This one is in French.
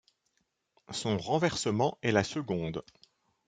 Son renversement est la seconde.